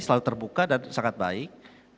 selalu terbuka dan sangat baik